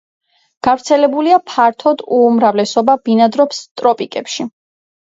გავრცელებულია ფართოდ, უმრავლესობა ბინადრობს ტროპიკებში.